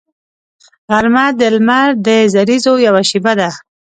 غرمه د لمر د زریزو یوه شیبه ده